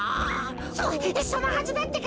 そそのはずだってか！